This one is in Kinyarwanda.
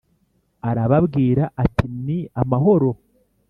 arababwira ati “Ni amahoro!”